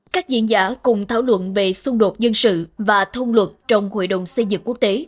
các diễn giả cùng thảo luận về xung đột dân sự và thông luận trong hội đồng xây dựng quốc tế